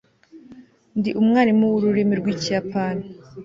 ndi umwarimu wururimi rwikiyapani